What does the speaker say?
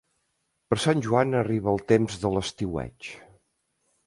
Per Sant Joan arriba el temps de l'estiueig.